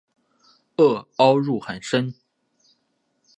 萼凹入很深。